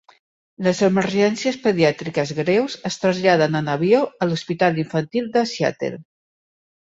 Les emergències pediàtriques greus es traslladen en avió a l'Hospital Infantil de Seattle.